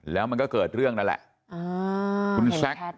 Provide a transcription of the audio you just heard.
แล้วมันก็เกิดเรื่องนั่นแหละคุณแซค